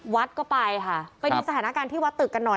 วัดก็ไปค่ะไปดูสถานการณ์ที่วัดตึกกันหน่อย